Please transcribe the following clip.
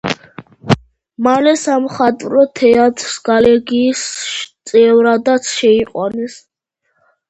მალე სამხატვრო თეატრის კოლეგიის წევრადაც შეიყვანეს.